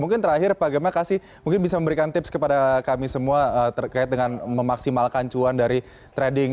mungkin terakhir pak gemma kasih mungkin bisa memberikan tips kepada kami semua terkait dengan memaksimalkan cuan dari trading